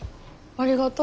ありがとう。